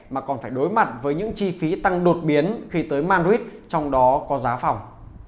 mà còn phải đối mặt với những chi phí tăng đột biến khi tới madrid trong đó có giá phòng